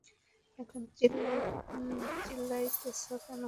এখন চিল্লাইতেছো কেন?